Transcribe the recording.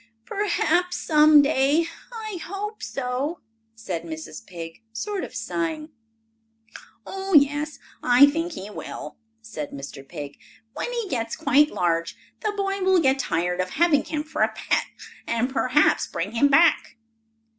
"Perhaps, some day. I hope so," said Mrs. Pig, sort of sighing. "Oh, yes, I think he will," said Mr. Pig. "When he gets quite large the boy will get tired of having him for a pet, and perhaps bring him back."